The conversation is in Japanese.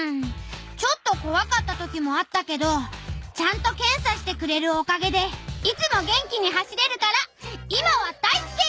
ちょっとこわかったときもあったけどちゃんとけんさしてくれるおかげでいつも元気に走れるから今はだいすき！